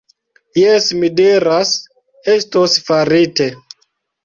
Jes, mi diras, estos farite.